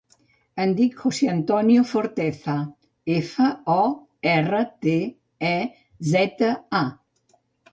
Em dic José antonio Forteza: efa, o, erra, te, e, zeta, a.